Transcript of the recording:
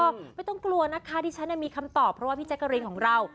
ก็ไม่ต้องกลัวนะคะที่ฉันมีคำตอบเพราะว่าพี่แจ๊กกะรีนของเรา